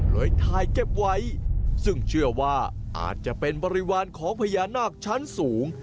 ถ่ายเก็บไว้ซึ่งเชื่อว่าอาจจะเป็นบริวารของพญานาคชั้นสูง